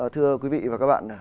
thưa quý vị và các bạn